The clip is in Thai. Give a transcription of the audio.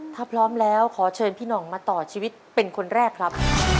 ถ้าพร้อมแล้วขอเชิญพี่หน่องมาต่อชีวิตเป็นคนแรกครับ